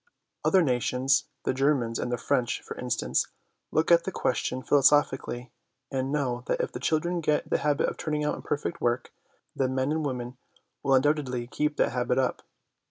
Other nations the Germans and the French, for instance look at the question philosophically, and know that if the children get the habit of turning out imperfect work, the men and women will undoubtedly keep that habit up.